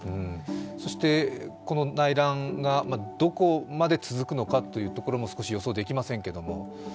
そしてこの内乱がどこまで続くのかというところも少し予想できませんけれども。